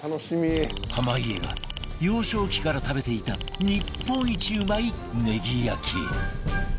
濱家が幼少期から食べていた日本一うまいネギ焼き